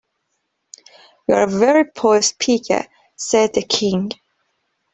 ‘You’re a very poor speaker,’ said the King.